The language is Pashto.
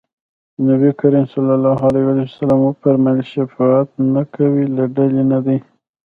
نبي کريم ص وفرمایل شفقت نه کوي له ډلې نه دی.